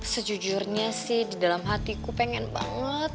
sejujurnya sih di dalam hatiku pengen banget